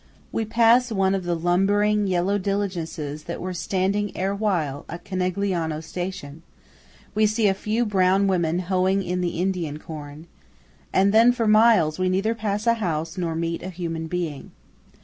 We pass one of the lumbering yellow diligences that were standing erewhile at Conegliano station; we see a few brown women hoeing in the Indian corn, and then for miles we neither pass a house nor meet a human being.